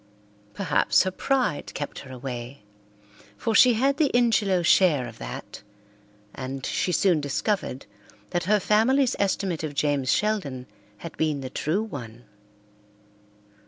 Perhaps her pride kept her away, for she had the Ingelow share of that, and she soon discovered that her family's estimate of James Sheldon had been the true one.